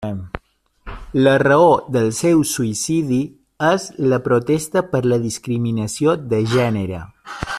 La raó del seu suïcidi és la protesta per la discriminació de gènere.